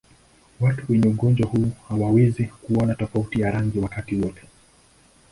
Watu wenye ugonjwa huu hawawezi kuona tofauti ya rangi wakati wote.